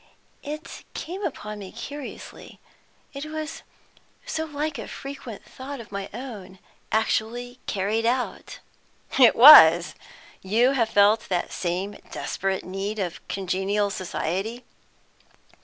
"It came upon me curiously. It was so like a frequent thought of my own actually carried out." "It was? You have felt that same desperate need of congenial society?"